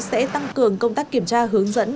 sẽ tăng cường công tác kiểm tra hướng dẫn